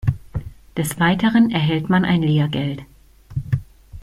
Des Weiteren erhält man ein Lehrgeld.